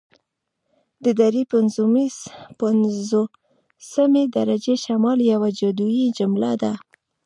د دري پنځوسمې درجې شمال یوه جادويي جمله ده